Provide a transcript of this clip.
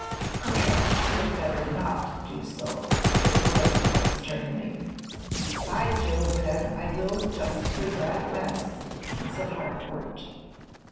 "Perhaps you had better not do so," said Glencore, sternly. "By Jove! then, I will, just for that menace," said Harcourt.